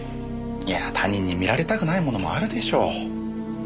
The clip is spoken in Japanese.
いや他人に見られたくないものもあるでしょう。